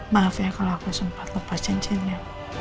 maaf ya kalau aku sempat lepas cincinnya